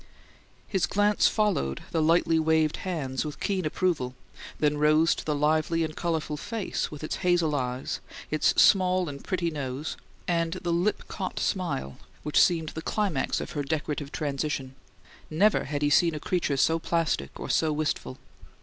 His glance followed the lightly waved hands with keen approval, then rose to the lively and colourful face, with its hazel eyes, its small and pretty nose, and the lip caught smile which seemed the climax of her decorative transition. Never had he seen a creature so plastic or so wistful.